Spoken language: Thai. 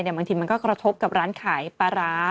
บางทีมันก็กระทบกับร้านขายปลาร้า